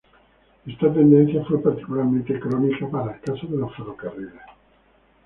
Esta tendencia fue particularmente crónica para el caso de los ferrocarriles.